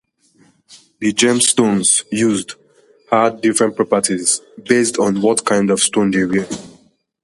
The gemstones used had different properties based on what kind of stone they were.